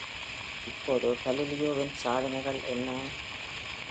இப்போது, கலீலியோவின் சாதனைகள் என்ன?